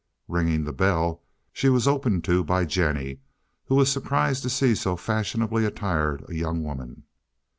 Ringing the bell, she was opened to by Jennie, who was surprised to see so fashionably attired a young woman.